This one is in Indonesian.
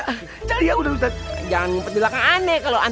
kau tau cah liang mana